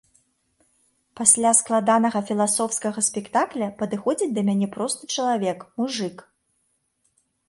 Пасля складанага філасофскага спектакля падыходзіць да мяне просты чалавек, мужык.